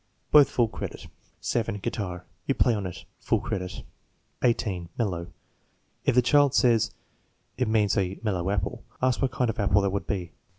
(Both full credit.) 17. Guitar. "You play on it." (Full credit.) 18. Mellow. If the child says, "It means a mellow apple," ask what kind of apple that would be.